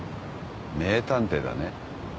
名探偵だね。